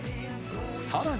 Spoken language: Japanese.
さらに。